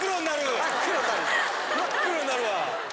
真っ黒になるわ。